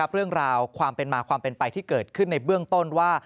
เรื่องราวความเป็นมาความเป็นไปที่เกิดขึ้นในเบื้องต้นว่า